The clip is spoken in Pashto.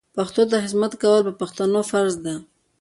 پښتو ته خدمت کول پر پښتنو فرض ده